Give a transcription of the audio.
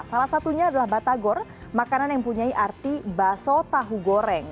salah satunya adalah batagor makanan yang punya arti baso tahu goreng